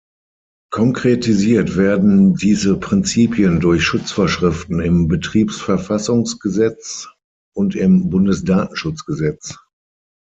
Konkretisiert werden diese Prinzipien durch Schutzvorschriften im Betriebsverfassungsgesetz und im Bundesdatenschutzgesetz.